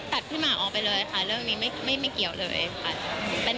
พี่หมากออกไปเลยค่ะเรื่องนี้ไม่เกี่ยวเลยค่ะ